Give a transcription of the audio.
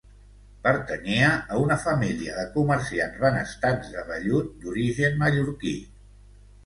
Pertanyia a una família de comerciants benestants de vellut d'origen mallorquí.